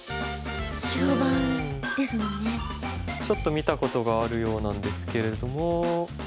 ちょっと見たことがあるようなんですけれども。